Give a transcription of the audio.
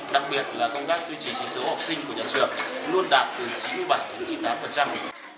đặc biệt là công tác duy trì số học sinh của nhà trường